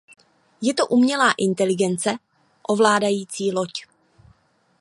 Je to umělá inteligence ovládající loď.